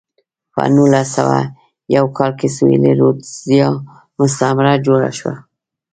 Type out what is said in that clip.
په نولس سوه یو کال کې سویلي رودزیا مستعمره جوړه شوه.